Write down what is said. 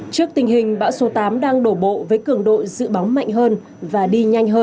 trước tình hình bão số tám đang đổ bộ với cường độ dự báo mạnh hơn và đi nhanh hơn